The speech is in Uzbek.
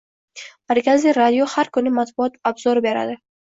Markaziy radio har kuni matbuot obzori beradi.